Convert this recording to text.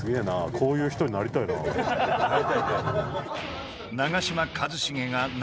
こういう人になりたいな。